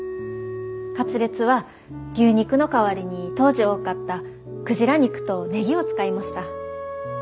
カツレツは牛肉の代わりに当時多かったクジラ肉とネギを使いました。